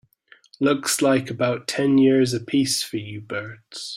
Looks like about ten years a piece for you birds.